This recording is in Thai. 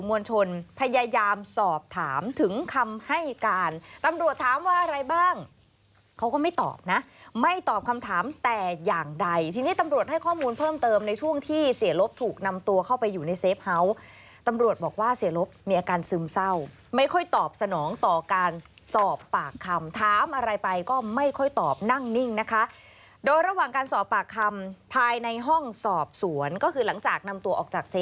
พยายามสอบถามถึงคำให้การตำรวจถามว่าอะไรบ้างเขาก็ไม่ตอบนะไม่ตอบคำถามแต่อย่างใดทีนี้ตำรวจให้ข้อมูลเพิ่มเติมในช่วงที่เสียลบถูกนำตัวเข้าไปอยู่ในเฟฟ้าตำรวจบอกว่าเสียลบมีอาการซึมเศร้าไม่ค่อยตอบสนองต่อการสอบปากคำถามอะไรไปก็ไม่ค่อยตอบนั่งนิ่งนะคะโดยระหว่างการสอบปากคำภายในห้องสอบสวนก็คือหลังจากนำตัวออกจากเซ